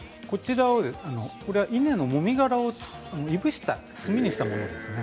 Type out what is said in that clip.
これは稲のもみ殻をいぶした炭にしたものです。